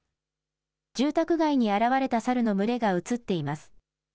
住宅街に現れたサルの群れが写っています。